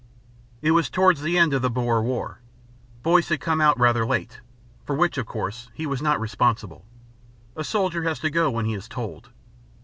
It was towards the end of the Boer War. Boyce had come out rather late; for which, of course, he was not responsible. A soldier has to go when he is told.